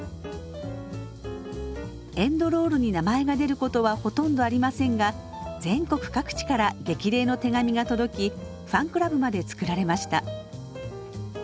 エンドロールに名前が出ることはほとんどありませんが全国各地から激励の手紙が届きファンクラブまで作られました。